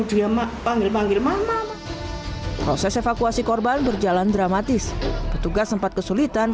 dia mak panggil panggil mama proses evakuasi korban berjalan dramatis petugas sempat kesulitan